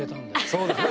そうですね